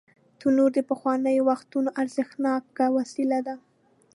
تنور د پخوانیو وختونو ارزښتناکه وسیله ده